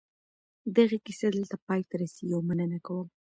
دغه کیسه دلته پای ته رسېږي او مننه کوم.